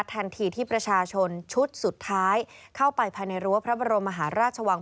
ทันทีที่ประชาชนชุดสุดท้ายเข้าไปภายในรั้วพระบรมมหาราชวัง